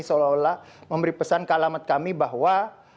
seolah olah memberi pesan ke alamat kami bahwa